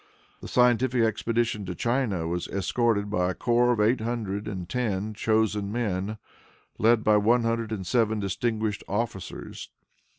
The scientific expedition to China was escorted by a corps of eight hundred and ten chosen men, led by one hundred and seven distinguished officers.